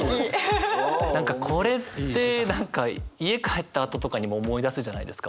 何かこれって何か家帰ったあととかにも思い出すじゃないですか。